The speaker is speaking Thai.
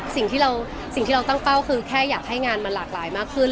สิ่งที่เราตั้งเป้าคือแค่อยากให้งานมันหลากหลายมากขึ้น